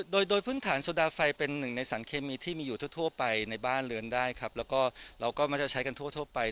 โดยโดยพื้นฐานโซดาไฟเป็นหนึ่งในสารเคมีที่มีอยู่ทั่วไปในบ้านเรือนได้ครับแล้วก็เราก็มักจะใช้กันทั่วไป